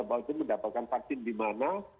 vaksin mendapatkan vaksin di mana